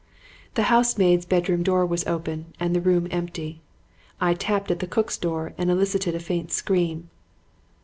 "The housemaid's bedroom door was open and the room empty. I tapped at the cook's door and elicited a faint scream.